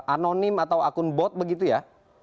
anonim atau akun bot begitu ya